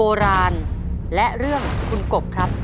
พ่อสนอเลือกตอบตัวเลือกที่๒คือแป้งมันครับ